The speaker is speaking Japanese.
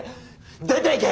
出ていけ！